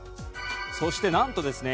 「そしてなんとですね